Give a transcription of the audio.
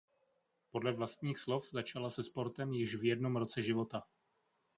Podle vlastních slov začala se sportem již v jednom roce života.